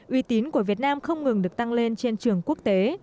uy tín của việt nam không ngừng được tăng lên trên trường quốc tế